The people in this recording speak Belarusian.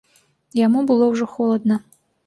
Яму было ўжо холадна.